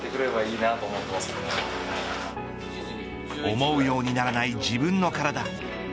思うようにならない自分の体。